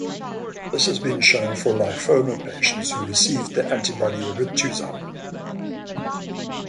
This has been shown for lymphoma patients who received the antibody Rituxan.